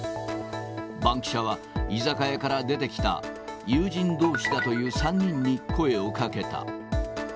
バンキシャは、居酒屋から出てきた友人どうしだという３人に声をかけた。